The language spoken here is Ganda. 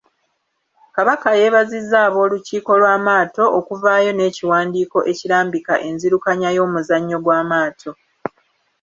Kabaka yeebazizza ab’olukiiko lw’amaato okuvaayo n’ekiwandiiko ekirambika enzirukanya y’omuzannyo gw’amaato.